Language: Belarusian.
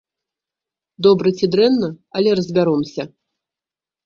Добра ці дрэнна, але разбяромся!